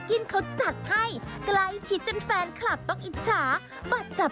คุณโอปอล์วัยมากเลยนะคะ